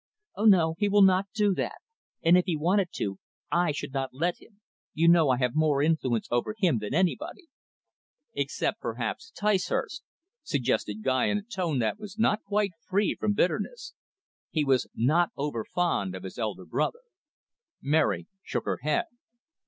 "Oh, no, he will not do that. And if he wanted to, I should not let him. You know, I have more influence over him than anybody." "Except, perhaps, Ticehurst?" suggested Guy, in a tone that was not quite free from bitterness. He was not over fond of his elder brother. Mary shook her head.